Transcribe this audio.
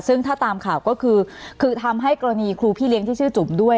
ซึ่งถ้าตามข่าวก็คือคือทำให้กรณีครูพี่เลี้ยงที่ชื่อจุ๋มด้วย